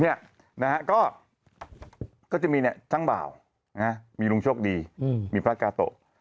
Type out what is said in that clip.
เนี่ยก็จะมีช่างเบามีลุงโชคดีมีพระกาโต